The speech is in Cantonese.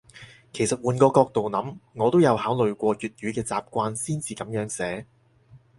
其實換個角度諗，我都有考慮過粵語嘅習慣先至噉樣寫